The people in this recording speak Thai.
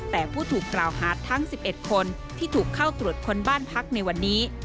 แต่ผู้ถูกกล่าวหาทั้ง๑๑คนที่ถูกเข้าตรวจค้นบ้านพักในวันนี้